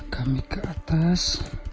kami ke atas